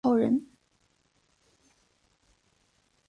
平时公爵也能用手上的枪枝直接敲人。